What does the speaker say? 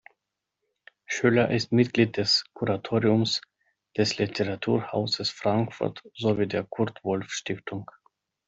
Schoeller ist Mitglied des Kuratoriums des Literaturhauses Frankfurt sowie der Kurt-Wolff-Stiftung.